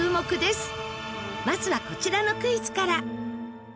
まずはこちらのクイズから。